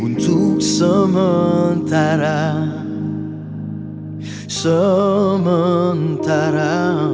untuk sementara sementara